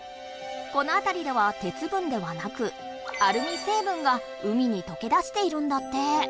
このあたりでは鉄分ではなくアルミ成分が海にとけ出しているんだって。